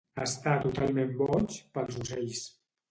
Està totalment boig pels ocells.